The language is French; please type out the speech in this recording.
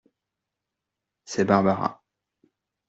C’est Barbara.